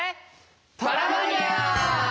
パラマニア！